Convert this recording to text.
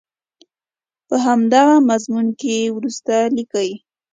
په همدغه مضمون کې وروسته لیکي.